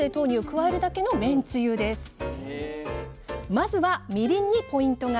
まずはみりんにポイントが！